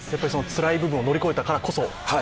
つらい部分を乗り越えたからこそ。